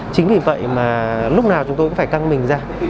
chính vì vậy mà lúc nào chúng tôi cũng phải căng mình ra